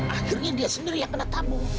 akhirnya dia sendiri yang kena tamu